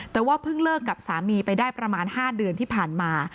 แต่ว่าเพิ่งเลิกกับสามีไปได้ประมาณ๕เดือนที่ผ่านมา